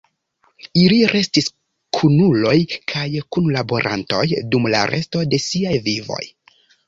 Ili restis kunuloj kaj kunlaborantoj dum la resto de siaj vivoj.